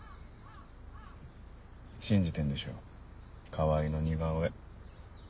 信じてんでしょ川合の似顔絵。